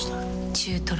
中トロ。